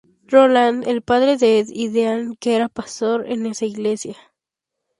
Roland", el padre de Ed y Dean, que era Pastor en esa iglesia.